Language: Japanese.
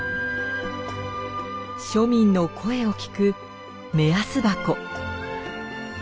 庶民の声を聞く目安箱。